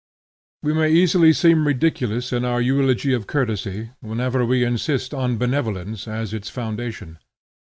We may easily seem ridiculous in our eulogy of courtesy, whenever we insist on benevolence as its foundation.